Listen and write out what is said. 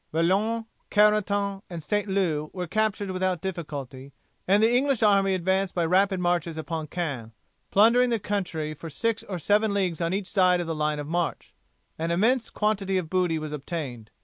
Valognes, Carentan, and St. Lo were captured without difficulty, and the English army advanced by rapid marches upon Caen, plundering the country for six or seven leagues on each side of the line of march. An immense quantity of booty was obtained.